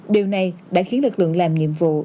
điều này đã khiến lực lượng làm nhiệm vụ